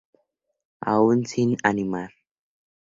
Aún sin animar.